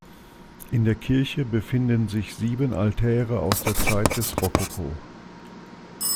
In der Kirche befinden sich sieben Altäre aus der Zeit des Rokoko.